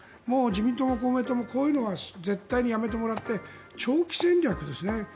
もう自民党も公明党もこういうのは絶対にやめてもらって長期戦略ですね。